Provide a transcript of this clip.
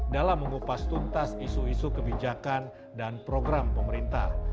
dalam mengupas tuntas isu isu kebijakan dan program pemerintah